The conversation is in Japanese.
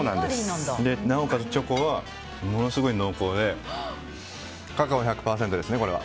なおかつチョコはものすごい濃厚でカカオ１００％ですね、これは。